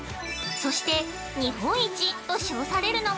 ◆そして、日本一と称されのが。